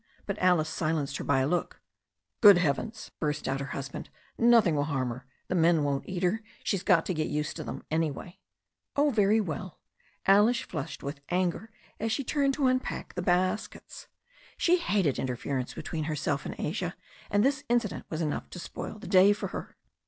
But Alice silenced her by a look. "Good heavens!" burst out her husband. "Nothing will harm her. The men won't eat her. She's got to get used to them, an3rway." "Oh, very well." Alice flushed with anger as she turned to unpack the baskets. She hated interference between her self and Asia, and this incident was enough to spoil the day for her.